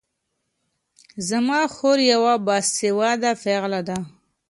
زما خور يوه باسواده پېغله ده